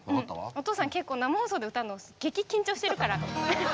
お父さん結構生放送で歌うの激緊張してるから。